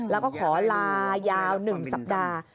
แล้วก็ขอลายาว๑สัปดาห์